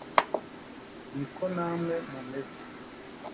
ni ko namwe mumeze